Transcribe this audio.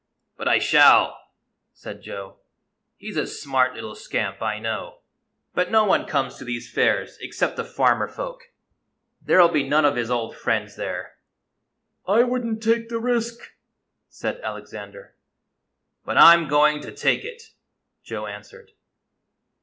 " But I shall," said Joe. " He 's a smart little scamp, I know. But no one comes to these fairs except the farmer folk. There 'll be none of his old friends there." " I would n't take the risk," said Alexander. " But I 'm going to take it," Joe answered.